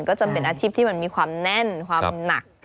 ก็จำเป็นอาชีพที่มันมีความแน่นความหนัก